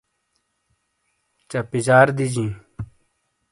چہ پِیجار دیجیں۔